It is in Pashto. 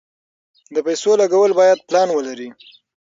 د پیسو لګول باید پلان ولري.